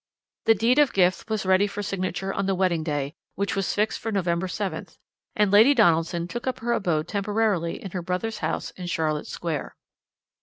"The deed of gift was ready for signature on the wedding day, which was fixed for November 7th, and Lady Donaldson took up her abode temporarily in her brother's house in Charlotte Square.